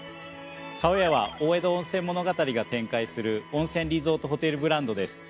ＴＡＯＹＡは大江戸温泉物語が展開する温泉リゾートホテルブランドです。